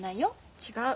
違う。